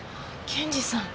検事さん。